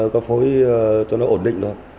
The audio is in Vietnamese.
có phối cho nó ổn định thôi